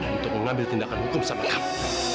untuk mengambil tindakan hukum sama kamu